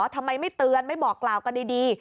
ทำไมไม่เตือนไม่บอกกล่าวกันดี